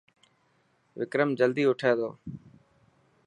وڪرم جلدي اٺي ٿو.